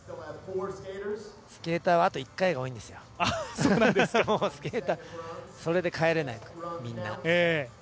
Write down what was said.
スケーターはあと１回が多いんですよ、それでみんな帰れない。